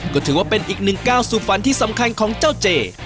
ก็ถือว่าเป็นอีกหนึ่งก้าวสู่ฝันที่สำคัญของเจ้าเจ